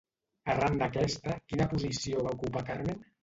Arran d'aquesta, quina posició va ocupar Carmen?